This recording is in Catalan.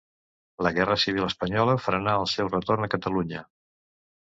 La guerra civil espanyola frenà el seu retorn a Catalunya.